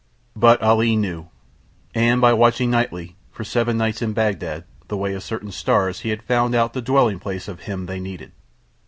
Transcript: But Ali knew. And by watching nightly, for seven nights in Bagdad, the way of certain stars he had found out the dwelling place of Him they Needed.